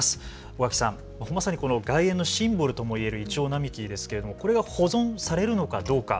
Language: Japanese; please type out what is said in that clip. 尾垣さん、まさに外苑へのシンボルともいえるイチョウ並木ですけれどもこれが保存されるのかどうか。